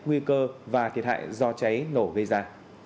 nguy cơ và thiệt hại do cháy nổ gây ra